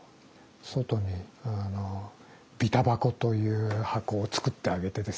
外にあのビタバコという箱を作ってあげてですね